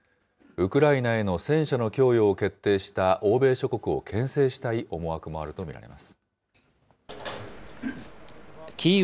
ウクライナへの戦車の供与を決定した欧米諸国をけん制したい思惑キーウ